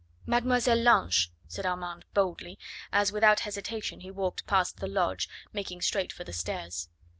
"Mademoiselle Lange," said Armand boldly, as without hesitation he walked quickly past the lodge making straight for the stairs.